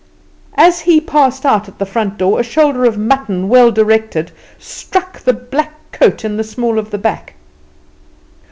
As he passed out at the front door a shoulder of mutton, well directed, struck the black coat in the small of the back.